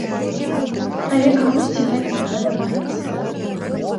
Але камусьці гэта не падабаецца.